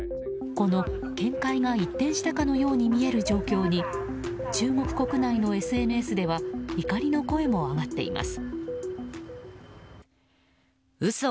この見解が一転したかのように見える状況に中国国内のＳＮＳでは怒りの声も上がっています。